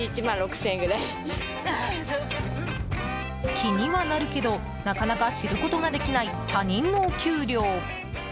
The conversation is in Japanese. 気にはなるけどなかなか知ることができない他人のお給料。